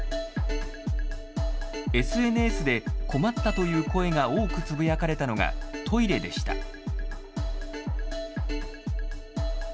ＳＮＳで困ったという声が多くつぶやかれたのがトイレでした。